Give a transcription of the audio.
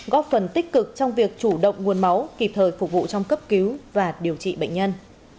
góp phần tích cực trong việc chủ động nguồn máu kịp thời phục vụ trong cấp cứu và điều trị bệnh nhân